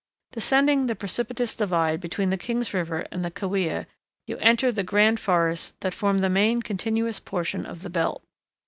Descending the precipitous divide between the King's River and Kaweah you enter the grand forests that form the main continuous portion of the belt.